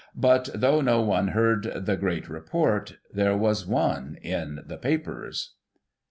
But, though no one heard the great report. There was one in the papers."